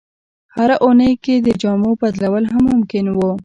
هره اونۍ کې د جامو بدلول هم ممکن وو.